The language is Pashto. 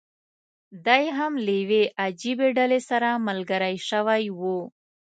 دی هم له یوې عجیبي ډلې سره ملګری شوی و.